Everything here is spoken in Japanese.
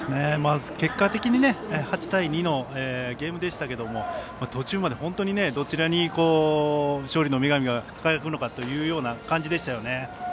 結果的に８対２のゲームでしたが途中まで本当にどちらに勝利の女神が輝くのかという感じでしたよね。